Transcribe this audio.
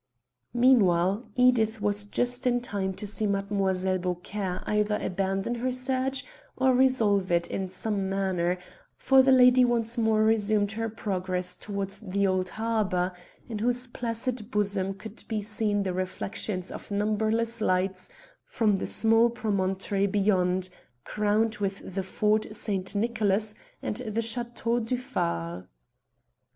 Meanwhile Edith was just in time to see Mlle. Beaucaire either abandon her search or resolve it in some manner, for the lady once more resumed her progress towards the old harbour, in whose placid bosom could be seen the reflections of numberless lights from the small promontory beyond, crowned with the Fort St. Nicholas and the Chateau du Phare.